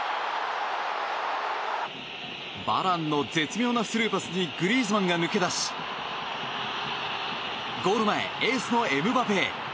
バランの絶妙なスルーパスにグリーズマンが抜け出しゴール前、エースのエムバペへ。